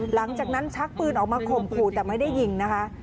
หลังจากนั้นชักปืนออกมาข่มขู่แต่ไม่ได้ยิงนะคะ